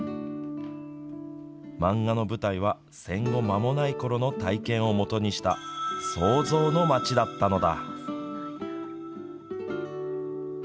漫画の舞台は戦後まもないころの体験をもとにした想像の町だったのだ。